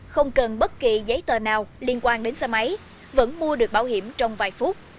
không cần bất kỳ giấy tờ nào liên quan đến xe máy vẫn mua được bảo hiểm trong vài phút